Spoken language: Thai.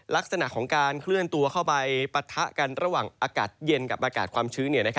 ลักษณะของการเคลื่อนตัวเข้าไปปะทะกันระหว่างอากาศเย็นกับอากาศความชื้น